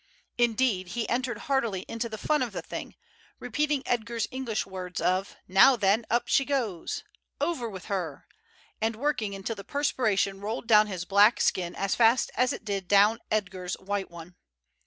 Indeed, he entered heartily into the fun of the thing, repeating Edgar's English words of "Now, then, up she goes!" "Over with her!" and working until the perspiration rolled down his black skin as fast as it did down Edgar's white one.